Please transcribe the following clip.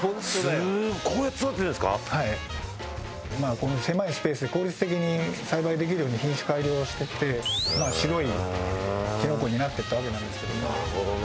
この狭いスペースで効率的に栽培できるように品種改良していって白いキノコになっていったわけなんですけども。